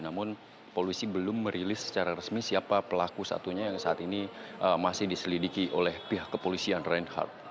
namun polisi belum merilis secara resmi siapa pelaku satunya yang saat ini masih diselidiki oleh pihak kepolisian reinhardt